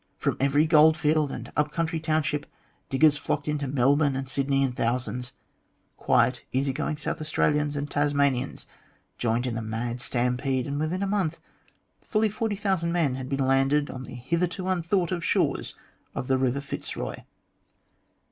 From every goldfield and up country township diggers flocked into Melbourne and Sydney in thousands. Quiet, easy going South Australians and Tasmanians joined in the mad stampede, and within a month fully 40,000 men had been landed on the hitherto unthought of shores of the Eiver Fitzroy.